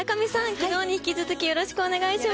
昨日に引き続きよろしくお願いします。